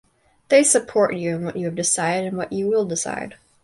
They support you in what you have decided and what you will decide.